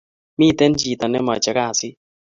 Miten chito nemache kasit